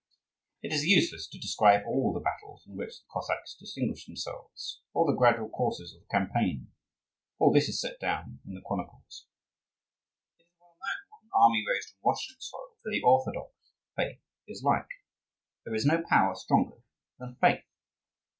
It is useless to describe all the battles in which the Cossacks distinguished themselves, or the gradual courses of the campaign. All this is set down in the chronicles. It is well known what an army raised on Russian soil, for the orthodox faith, is like. There is no power stronger than faith.